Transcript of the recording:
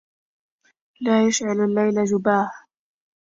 لا يشعل الليل جباه!